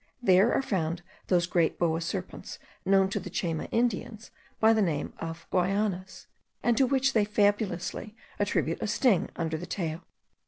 There are found those great boa serpents known to the Chayma Indians by the name of guainas, and to which they fabulously attribute a sting under the tail.